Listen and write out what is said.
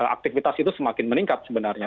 aktivitas itu semakin meningkat sebenarnya